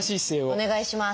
お願いします。